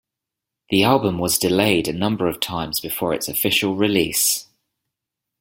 The album was delayed a number of times before its official release.